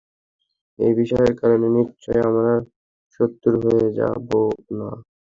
এই বিষয়ের কারণে নিশ্চয়ই আমরা শত্রু হয়ে যাব না।